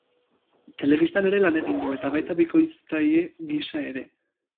Telebistan ere lan egin du, eta baita bikoiztaile gisa ere.